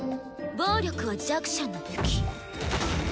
暴力は弱者の武器。